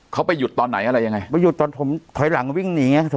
เขาไปหยุดตอนไหนอะไรยังไงไปหยุดตอนผมถอยหลังวิ่งหนีไง